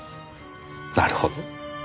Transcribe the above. なるほど。